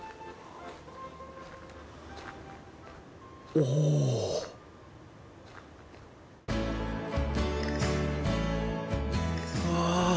おおうわ